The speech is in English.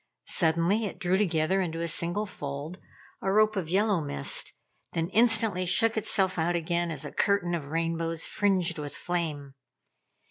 Suddenly it drew together in a single fold, a rope of yellow mist, then instantly shook itself out again as a curtain of rainbows fringed with flame.